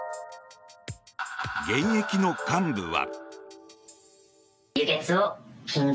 現役の幹部は。